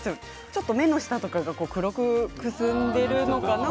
ちょっと目の下が黒くくすんでいるのかな。